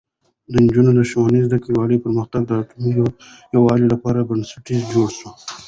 د نجونو ښوونځی د کلیوالو پرمختګ او د ټولنې یووالي لپاره بنسټ جوړوي.